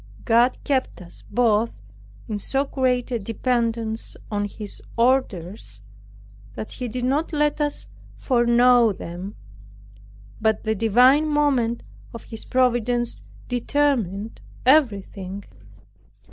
God kept us both in so great a dependence on His orders, that He did not let us foreknow them; but the divine moment of His providence determined everything.